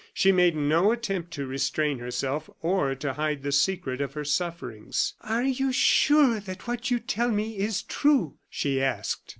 She made no attempt to restrain herself or to hide the secret of her sufferings. "Are you sure that what you tell me is true?" she asked.